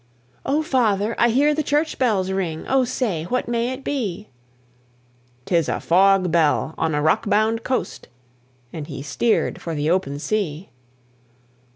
"O father! I hear the church bells ring, O say, what may it be?" "Tis a fog bell on a rock bound coast!" And he steered for the open sea.